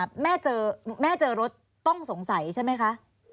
แม่เจอแม่เจอรถต้องสงสัยใช่ไหมคะ